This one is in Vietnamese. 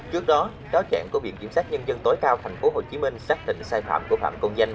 trước đó cáo trạng của viện kiểm sát nhân dân tối cao tp hcm xác định sai phạm của phạm công danh